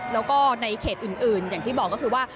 แล้วก็ในเขตอื่นอย่างที่บอกก็คือว่า